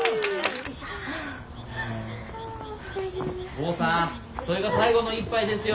・豪さんそいが最後の一杯ですよ。